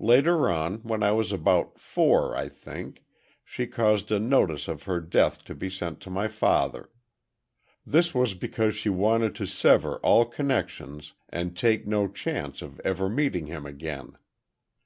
Later on—when I was about four, I think, she caused a notice of her death to be sent to my father. This was because she wanted to sever all connection, and take no chance of ever meeting him again.